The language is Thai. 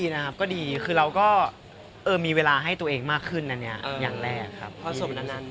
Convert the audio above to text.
เฮ้ยไม่ได้อยู่คนเดียวขนาดนั้น